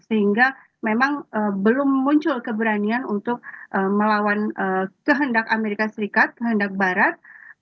sehingga memang belum muncul keberanian untuk melawan kehendak amerika serikat kehendak barat